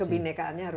kebinekaannya harus di